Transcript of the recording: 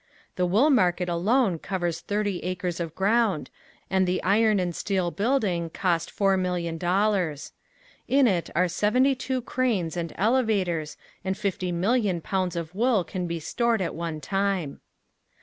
The wool market alone covers thirty acres of ground and the iron and steel building cost four million dollars. In it are seventy two cranes and elevators and fifty million pounds of wool can be stored at one time.